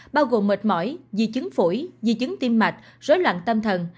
bao gồm mệt mỏi di chứng phủi di chứng tim mạch rối loạn tâm thần